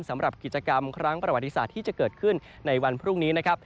สำหรับกิจกรรมครั้งประวัติศาสตร์ที่จะเกิดขึ้นในวันพรุ่งนี้นะครับ